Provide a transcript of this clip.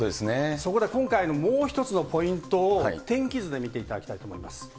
そこで今回のもう一つのポイントを天気図で見ていただきたいと思います。